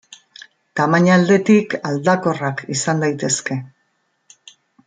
Tamaina aldetik aldakorrak izan daitezke.